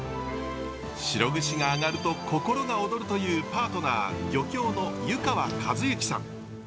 シログシが揚がると心が躍るというパートナー漁協の湯川一之さん。